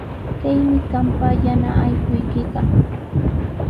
Kaymi qampa yana allquykiqa.